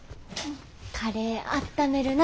カレーあっためるな。